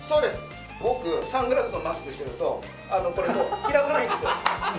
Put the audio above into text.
僕サングラスのマスクしてると開かないんですよ。